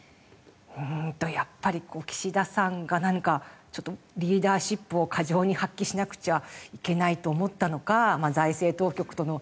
やっぱり岸田さんがなんかリーダーシップを過剰に発揮しなくちゃいけないと思ったのか財政当局との絡みなのか。